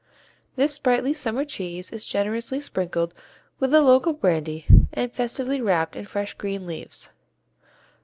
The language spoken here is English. This sprightly summer cheese is generously sprinkled with the local brandy and festively wrapped in fresh green leaves.